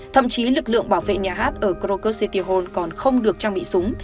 thậm chí lực lượng bảo vệ nhà hát ở groker city hall còn không được trang bị súng